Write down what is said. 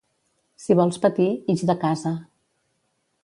Si vols patir, ix de casa.